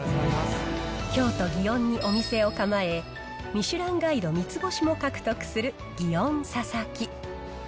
京都・祇園にお店を構え、ミシュランガイド３つ星も獲得する、祇園さゝ木。